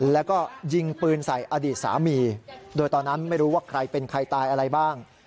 แล้วก็ยิงปืนใส่อดีตสามีโดยตอนนั้นไม่รู้ว่าใครเป็นใครตายอะไรบ้าง